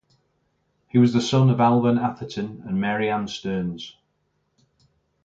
He was the son of Alvan Atherton and Mary Ann Stearns.